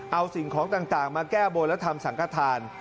เอาสิ่งของต่างมาแก้บนและทำสังกฐาน